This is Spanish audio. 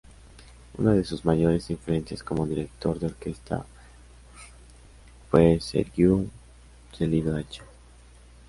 Una de sus mayores influencias como director de orquesta, fue Sergiu Celibidache.